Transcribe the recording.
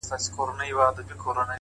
هره تجربه د شخصیت نوی اړخ جوړوي،